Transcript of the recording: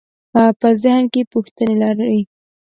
په ذهن کې پوښتنې لرئ؟